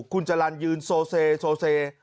คุณจลันทร์ยืนโซเซ